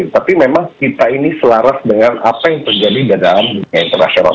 tapi memang kita ini selaras dengan apa yang terjadi di dalam dunia internasional